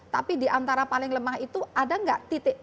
tapi di antara paling lemah itu ada tidak titik